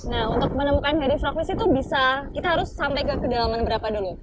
nah untuk menemukan harry frogmis itu bisa kita harus sampai ke kedalaman berapa dulu